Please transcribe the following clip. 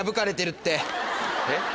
えっ？